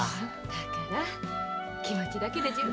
だから気持ちだけで十分。